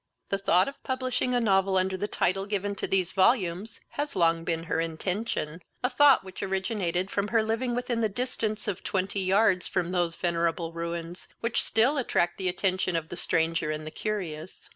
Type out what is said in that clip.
The thought of publishing a novel, under the title given to these volumes, has long been her intention, a thought which originated from her living within the distance of twenty yards from those venerable ruins, which still attract the attention of the stranger and the curious.